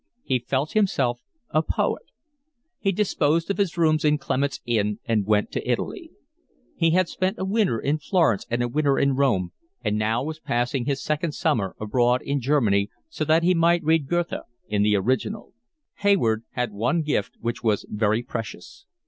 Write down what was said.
He felt himself a poet. He disposed of his rooms in Clement's Inn and went to Italy. He had spent a winter in Florence and a winter in Rome, and now was passing his second summer abroad in Germany so that he might read Goethe in the original. Hayward had one gift which was very precious.